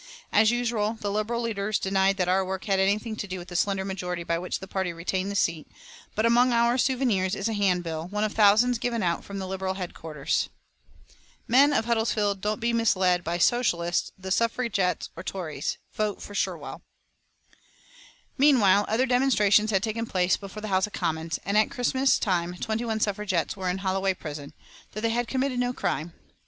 As usual the Liberal leaders denied that our work had anything to do with the slender majority by which the party retained the seat, but among our souvenirs is a handbill, one of thousands given out from Liberal headquarters: ++| MEN OF HUDDERSFIELD || DON'T BE MISLED || BY SOCIALISTS, SUFFRAGETTES || OR TORIES || VOTE FOR SHERWELL |++ Meanwhile, other demonstrations had taken place before the House of Commons, and at Christmas time twenty one suffragettes were in Holloway Prison, though they had committed no crime.